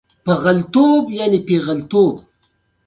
لکه څنګه چې جنرال رابرټس اعتراف کوي.